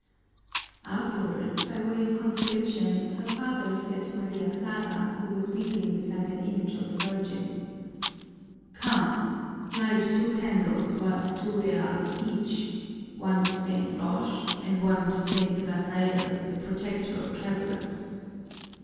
Afterwards, by way of consolation, her father said to Maria Clara, who was weeping beside an image of the Virgin, "Come, light two candles worth two reals each, one to St. Roch, and one to St. Raphael, the protector of travelers.